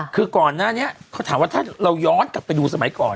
คือก่อนหน้านี้เขาถามว่าถ้าเราย้อนกลับไปดูสมัยก่อน